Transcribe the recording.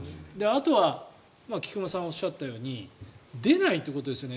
あとは菊間さんがおっしゃったように出ないということですよね。